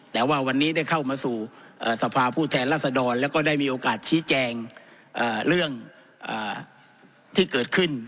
แต่ว่าวันนี้ได้เข้ามาสู่สภาผู้แทนรัศดรแล้วก็ได้มีโอกาสชี้แจงเรื่องที่เกิดขึ้น